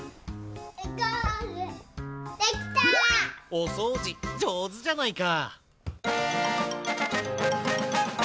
おそうじじょうずじゃないか。